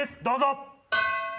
どうぞ！